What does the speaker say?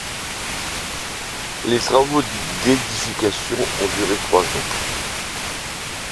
Les travaux d'édification ont duré trois ans.